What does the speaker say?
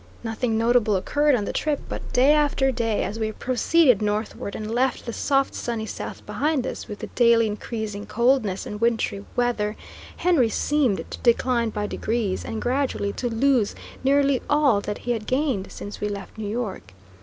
Nothing notable occurred on the trip; but day after day, as we proceeded northward, and left the soft, sunny south behind us, with the daily increasing coldness and wintry weather, Henry seemed to decline by degrees, and gradually to lose nearly all that he had gained since we left New York.